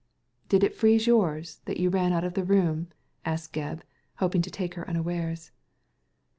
" Did it freeze yours, that you ran out of the room ?" asked Gebb, hoping to take her unawares.